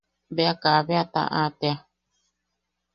Bea kabe a taʼa tea.